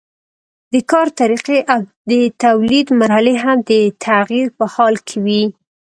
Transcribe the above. د کار طریقې او د تولید مرحلې هم د تغییر په حال کې وي.